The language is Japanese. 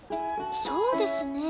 そうですね。